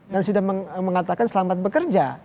dan sudah mengatakan selamat bekerja